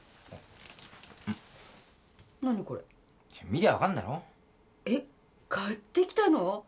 見りゃ分かんだろ？えっ！？買ってきたの？